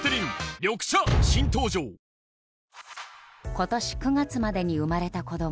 今年９月までに生まれた子供